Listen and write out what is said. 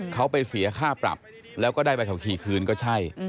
เขาไปเสียค่าปรับแล้วก็ได้ใบขับขี่คืนก็ใช่